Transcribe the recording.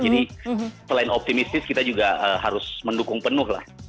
selain optimistis kita juga harus mendukung penuh lah